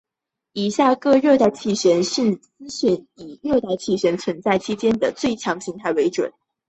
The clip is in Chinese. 以下各热带气旋资讯以热带气旋存在期间的最强形态为准。